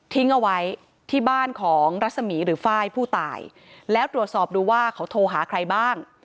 เอาไว้ที่บ้านของรัศมีร์หรือไฟล์ผู้ตายแล้วตรวจสอบดูว่าเขาโทรหาใครบ้าง